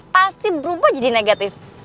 pasti berubah jadi negatif